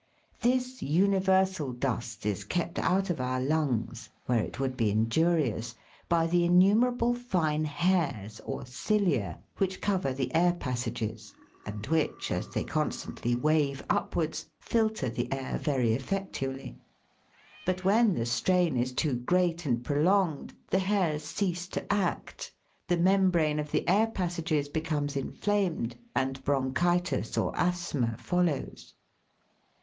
This universal dust is kept out of our lungs, where THE AIR WE BREATHE. 21 it would be injurious, by the innumerable fine hairs or cilia which cover the air passages, and which, as they con stantly wave upwards, filter the air very effectually ; but when the strain is too great and prolonged, the hairs cease to act, the membrane of the air passages becomes inflamed, and bronchitis or asthma follows.